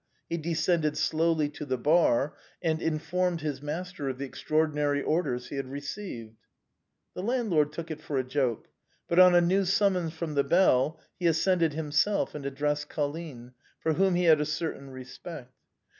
He descended slowly to the bar, and informed his master of the extraordinary orders he had received. The landlord took it for a joke; but on a new summons from the bell, he ascended himself and addressed Colline, for whom he had a certain respect.